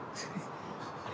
あれ？